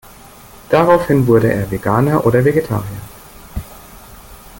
Daraufhin wurde er Veganer oder Vegetarier.